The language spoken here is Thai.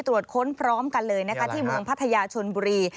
ตรวจค้นพร้อมกันเลยนะคะที่เมืองพัทยาชนบุรี